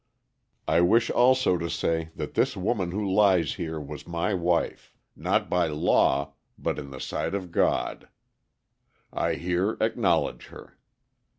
I wish also to say that this woman who lies here was my wife, not by law, but in the sight of God. I here acknowledge her.